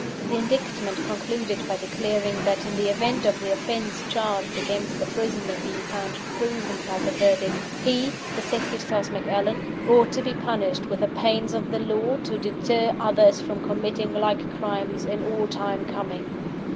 The Indictment concluded by declaring that, in the event of the offense charged against the prisoner being found proven by the Verdict, he, the said Eustace Macallan, "ought to be punished with the pains of the law, to deter others from committing like crimes in all time coming."